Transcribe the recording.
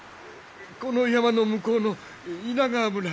この山の向こうの稲川村。